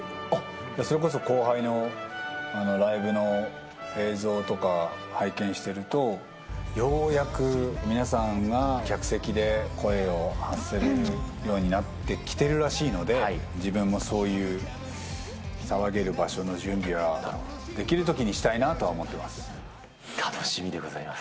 それこそ後輩のライブの映像とか拝見してると、ようやく皆さんが客席で声を発せれるようになってきているらしいので、自分もそういう騒げる場所の準備はできるときにしたいなとは思っ楽しみでございます。